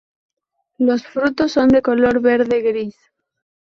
Los frutos son de color verde gris.